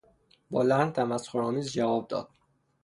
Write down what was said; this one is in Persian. با لحن تمسخرآمیز جواب داد.